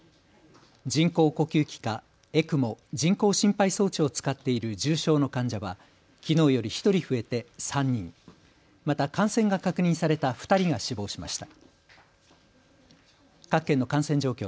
人工呼吸器かＥＣＭＯ・人工心肺装置を使っている重症の患者はきのうより１人増えて３人、また感染が確認された２人が死亡しました。